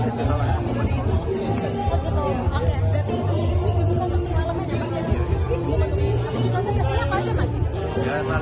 jadi itu dibuka untuk semalamnya ya mas